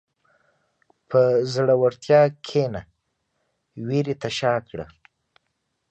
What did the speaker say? په زړورتیا کښېنه، وېرې ته شا کړه.